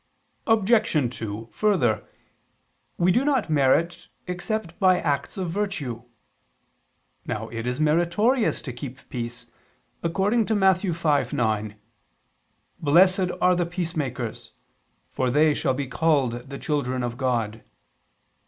Obj. 2: Further, we do not merit except by acts of virtue. Now it is meritorious to keep peace, according to Matt. 5:9: "Blessed are the peacemakers, for they shall be called the children of God."